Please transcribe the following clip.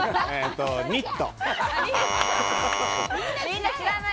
ニット。